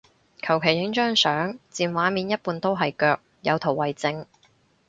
求其影張相佔畫面一半都係腳，有圖為證